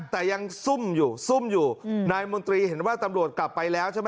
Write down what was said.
แต่ยังซุ่มอยู่ซุ่มอยู่นายมนตรีเห็นว่าตำรวจกลับไปแล้วใช่ไหม